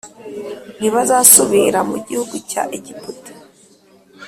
Ntibazasubira mu gihugu cya Egiputa